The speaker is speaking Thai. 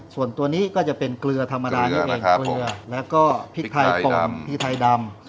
ส่วนตัวนี้ก็จะเป็นเกลือธรรมดานั่นเองเกลือแล้วก็พริกไทยป่นพริกไทยดำ